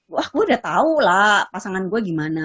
wah gue udah tau lah pasangan gue gimana